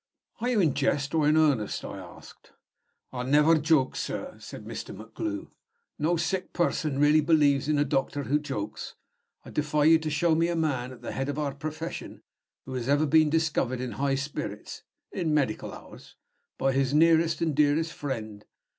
"Are you in jest or in earnest?" I asked. "I never joke, sir," said Mr. MacGlue. "No sick person really believes in a doctor who jokes. I defy you to show me a man at the head of our profession who has ever been discovered in high spirits (in medical hours) by his nearest and dearest friend.